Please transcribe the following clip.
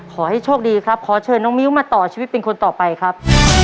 ขอให้โชคดีครับขอเชิญน้องมิ้วมาต่อชีวิตเป็นคนต่อไปครับ